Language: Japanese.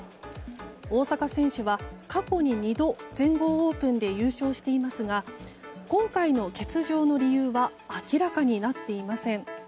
大坂選手は過去に２度全豪オープンで優勝していますが今回の欠場の理由は明らかになっていません。